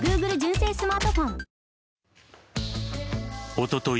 おととい